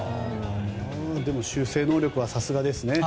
でも修正能力はさすがですね。